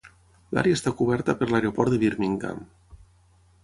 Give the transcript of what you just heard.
L'àrea està coberta per l'Aeroport de Birmingham.